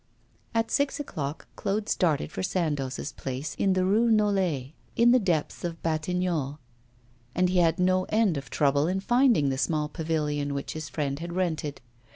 At six o'clock, Claude started for Sandoz's place in the Rue Nollet, in the depths of Batignolles, and he had no end of trouble in finding the small pavilion which his friend had rented.